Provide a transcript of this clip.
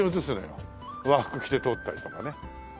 和服着て通ったりとかね。